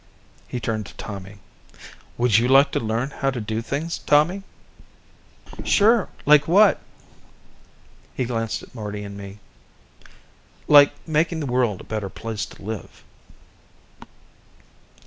He turned to Tommy. "Would you like to learn how to do things, Tommy?" "Sure. Like what?" He glanced at Marty and me. "Like making the world a better place to live."